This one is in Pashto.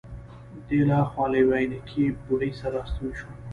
دی له هاخوا له یوې عینکې بوډۍ سره راستون شو.